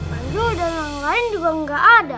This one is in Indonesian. mandu dan lain lain juga gak ada